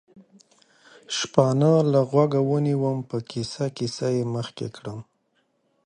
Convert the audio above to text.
شپانه له غوږه ونیوم، په کیسه کیسه یې مخکې کړم.